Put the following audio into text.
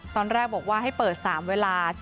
ตอนแรกบอกว่าให้เปิด๓เวลา